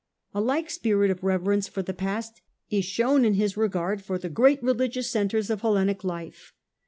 A like spirit of reverence for the past is shown in his regard for the great religious centres of Hellenic life.